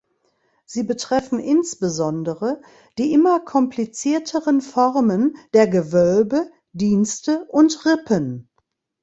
Sie betreffen insbesondere die immer komplizierteren Formen der Gewölbe, Dienste und Rippen.